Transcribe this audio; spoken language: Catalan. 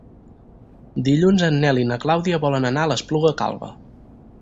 Dilluns en Nel i na Clàudia volen anar a l'Espluga Calba.